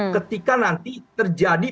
ketika nanti terjadi